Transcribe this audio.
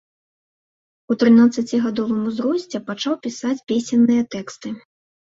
У трынаццацігадовым узросце пачаў пісаць песенныя тэксты.